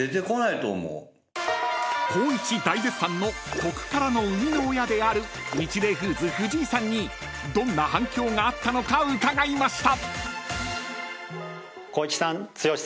［光一大絶賛の特からの生みの親であるニチレイフーズ藤井さんにどんな反響があったのか伺いました］